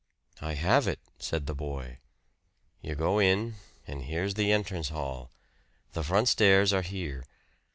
"I have it," said the boy. "You go in, and here's the entrance hall. The front stairs are here.